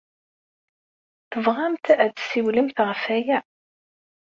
Tebɣamt ad d-tessiwlemt ɣef waya?